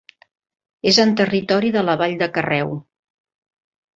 És en territori de la vall de Carreu.